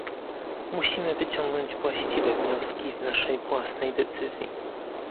Musimy wyciągnąć właściwe wnioski z naszej własnej decyzji